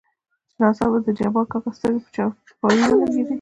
چې ناڅاپه دجبارکاکا سترګې په چارپايي ولګېدې.